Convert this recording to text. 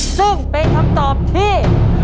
ซึ่งเป็นคำตอบที่